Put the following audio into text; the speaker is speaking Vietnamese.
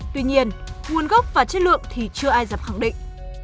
tuy nhiên nguồn gốc và chất lượng thì chưa ai dập khẳng định